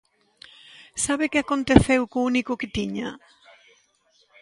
Sabe que aconteceu co único que tiña?